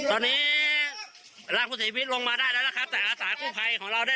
ตอนนี้ร่างผู้เสียชีวิตลงมาได้แล้วนะครับแต่อาสากู้ภัยของเราได้